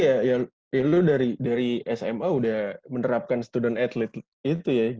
berarti ya lu dari sma udah menerapkan student athlete itu ya g